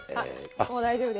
あっもう大丈夫です。